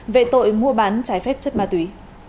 về tội mua bán trái phép chất ma túy